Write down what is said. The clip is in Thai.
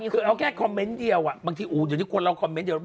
คือเอาแค่คอมเมนต์เดียวบางทีอู๋อยู่ที่กลัวเราคอมเมนต์เดียว